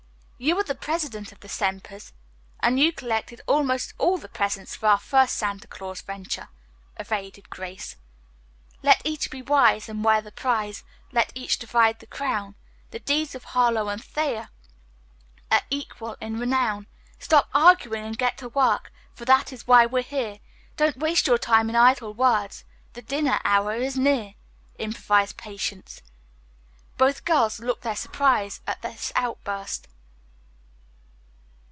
"You are the president of the Sempers and you collected almost all the presents for our first Santa Claus venture," evaded Grace. "Let each be wise and wear the prize, Let each divide the crown, The deeds of Harlowe and of Thayer, Are equal in renown. Stop arguing and get to work, For that is why we're here, Don't waste your time in idle words, The dinner hour is near," improvised Patience. Both girls looked their surprise at this outburst.